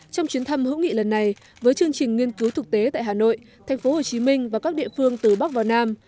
trong chuyến thăm hữu nghị lần này với chương trình nghiên cứu thực tế tại hà nội thành phố hồ chí minh và các địa phương từ bắc vào nam